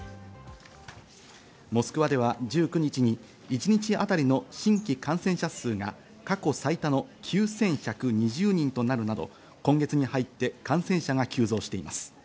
モスクワでは１９日に一日当たりの新規感染者数が過去最多の９１２０人となるなど今月に入って感染者が急増しています。